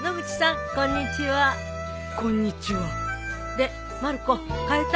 でまる子買えた？